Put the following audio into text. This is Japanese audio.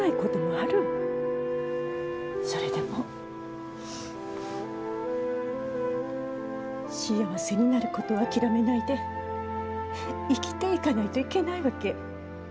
それでも幸せになることを諦めないで生きていかないといけないわけ。